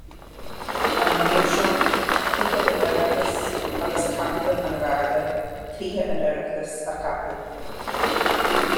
An Maoirseoir, Tithe an Oireachtais, agus Captaen an Gharda, Tithe an Oireachtais, a cheapadh.